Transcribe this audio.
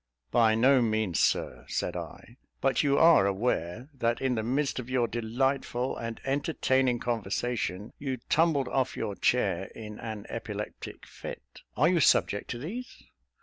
"By no means, Sir," said I; "but are you aware, that in the midst of your delightful and entertaining conversation, you tumbled off your chair in an epileptic fit? are you subject to these?"